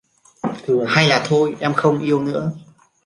Hay là thôi Em không yêu nữa